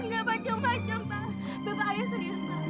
bapak com com pak bapak ayah serius pak